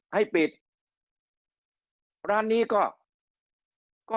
ให้ปิดร้านนี้ก็ก็